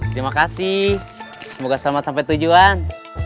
terima kasih semoga selamat sampai tujuan